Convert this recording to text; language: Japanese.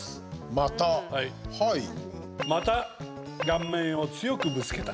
また顔面を強くぶつけた。